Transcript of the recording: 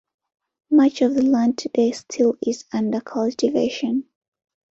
Much of the land today still is under cultivation.